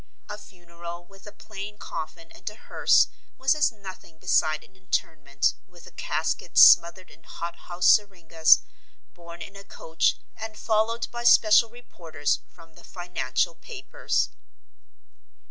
A funeral with a plain coffin and a hearse was as nothing beside an interment, with a casket smothered in hot house syringas, borne in a coach and followed by special reporters from the financial papers.